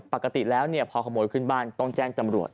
ปกติแล้วพอขโมยขึ้นบ้านต้องแจ้งจำรวจ